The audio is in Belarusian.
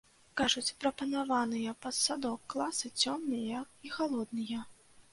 Кажуць, прапанаваныя пад садок класы цёмныя і халодныя.